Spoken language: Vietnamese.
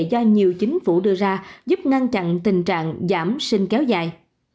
do nhiều chính phủ đưa ra giúp ngăn chặn tình trạng giảm sinh kéo dài